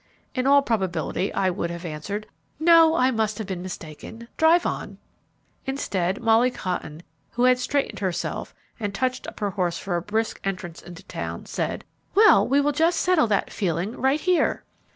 in all probability I would have answered, "No, I must have been mistaken. Drive on!" Instead, Molly Cotton, who had straightened herself, and touched up her horse for a brisk entrance into town, said, "Well, we will just settle that 'feeling' right here!"